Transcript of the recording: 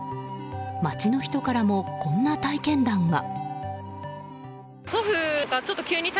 街の人からも、こんな体験談が。